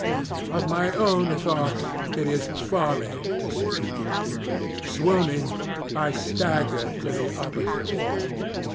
Of my own thoughts it is folly to speak. Swooning, I staggered to the opposite wall.